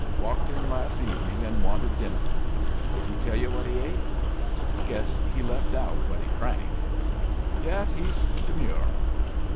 Walked in last evening and wanted dinner. Did he tell you what he ate? Guess he left out what he drank. Yes, he's demure."